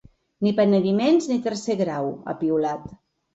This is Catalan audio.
“Ni penediments, ni tercer grau”, ha piulat.